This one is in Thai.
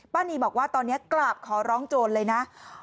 นีบอกว่าตอนนี้กราบขอร้องโจรเลยนะ